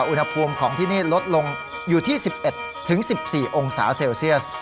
อุณหภูมิของที่นี่ลดลงอยู่ที่๑๑๑๔องศาเซลเซียส